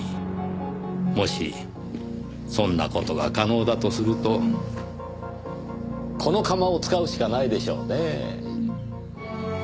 もしそんな事が可能だとするとこの窯を使うしかないでしょうねぇ。